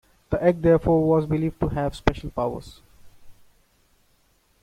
The egg therefore, was believed to have special powers.